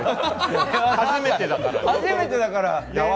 初めてだから。